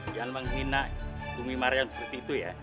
jangan menghina umi maryam seperti itu ya